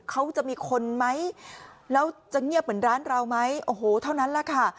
เขาจะมีคนไหมแล้วจะเงียบเหมือนร้านเราไหมโอ้โหเท่านั้นแหละค่ะ